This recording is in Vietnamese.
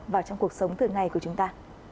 vào trong cuộc sống thường ngày của chúng ta